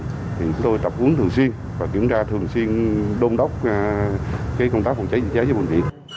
thì chúng tôi tập quấn thường xuyên và kiểm tra thường xuyên đôn đốc công tác phòng cháy chữa cháy cho bệnh viện